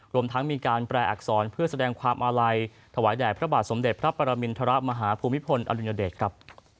รวมทั้งมีการแปลอักษรเพื่อแสดงความอาลัยถวายแด่พระบาทสมเด็จพระปรมินทรมาฮภูมิพลอดุญเดชครับ